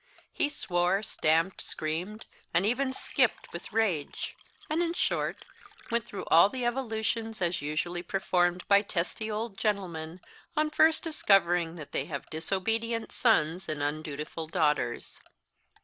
He swore, stamped, screamed, and even skipped with rage, and, in short, went through all the evolutions as usually performed by testy old gentlemen on first discovering that they have disobedient sons and undutiful daughters.